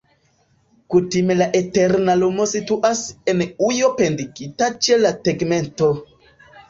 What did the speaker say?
Kutime la eterna lumo situas en ujo pendigita ĉe la tegmento.